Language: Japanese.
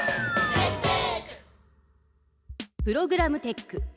プログラムテック。